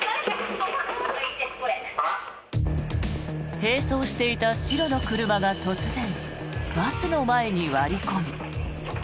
並走していた白の車が突然、バスの前に割り込み。